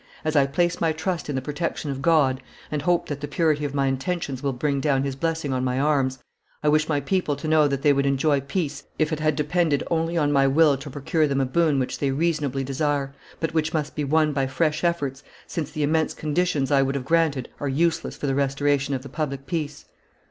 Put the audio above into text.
As I place my trust in the protection of God, and hope that the purity of my intentions will bring down His blessing on my arms, I wish my people to know that they would enjoy peace if it had depended only on my will to procure them a boon which they reasonably, desire, but which must be won by fresh efforts, since the immense conditions I would have granted are useless for the restoration of the public peace.